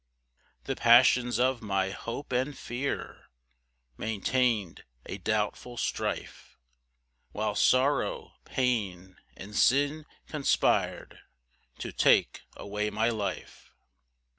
2 The passions of my hope and fear Maintain'd a doubtful strife, While sorrow, pain, and sin conspir'd To take away my life.